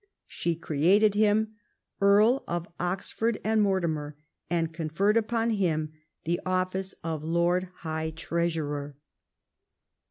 She created him Earl of Oxford and Mortimer, and conferred upon him the office of Lord High Treasurer.